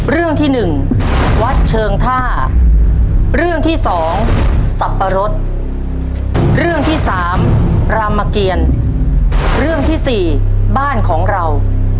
เรื่องที่หนึ่งวัดเชิงท่าเรื่องที่สองสับปะรดเรื่องที่สามรามเกียรเรื่องที่สี่บ้านของเรา